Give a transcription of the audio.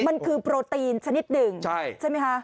มันคือโปรตีนชนิดหนึ่งใช่ไหมคะ